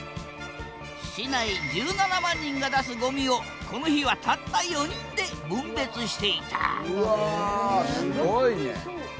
市内１７万人が出すゴミをこの日はたった４人で分別していたうわすごいね。